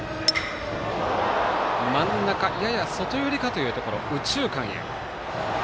真ん中、やや外寄りのところ右中間へ。